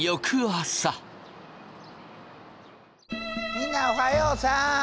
みんなおはようさん。